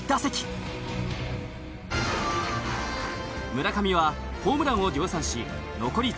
村上はホームランを量産し残り１５試合。